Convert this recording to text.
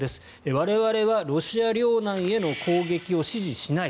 我々はロシア領内への攻撃を支持しない。